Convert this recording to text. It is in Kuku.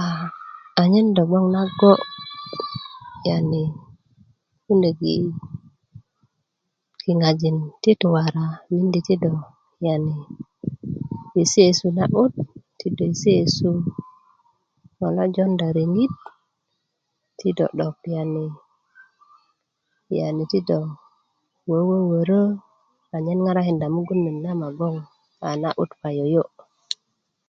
a anyen do bgoŋ nago' yani kunök kiŋajin ti towora ti do yani mindi ti do yesiyesu na'but ti do yesiyesu ŋo na jonda riŋit ti do 'dok yani yani ti do wööwöwörö anyen ŋarakinda mugun net na i gboŋ a na'but payoyo'